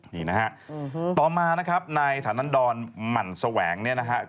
นี่นะฮะต่อมานะครับในฐานะดรหมั่นแสวงเนี่ยนะฮะ